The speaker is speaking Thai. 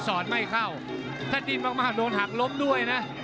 อดไม่เข้าถ้าดิ้นมากโดนหักล้มด้วยนะ